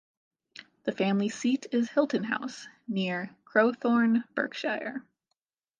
The family seat is Hilton House, near Crowthorne, Berkshire.